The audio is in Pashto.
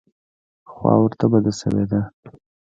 خوا ورته بده شوې ده.